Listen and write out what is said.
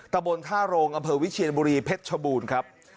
ตะบนท่าโรงอำเภอวิเชียนบุรีเพชรชบูรณ์ครับ